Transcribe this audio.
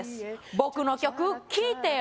僕の曲聴いてよ